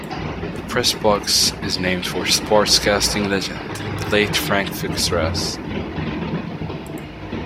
The press box is named for sportscasting legend, the late Frank Fixaris.